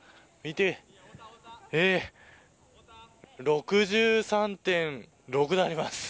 ６３．６度あります。